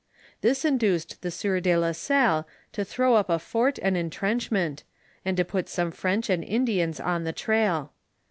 This induced the sieur de la Salle to throw up a fort and intrenchment, and to put some French and In dians on the trail.